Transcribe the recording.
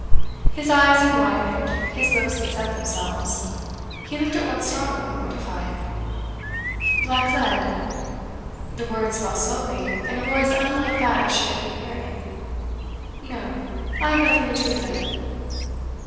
His eyes had widened, his lips had set themselves; he looked at once startled and mortified. 'Black lead?' The words fell slowly, in a voice unlike that she had been hearing. 'No. I have nothing to do with it.